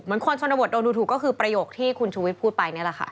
คนชนบทโดนดูถูกก็คือประโยคที่คุณชูวิทย์พูดไปนี่แหละค่ะ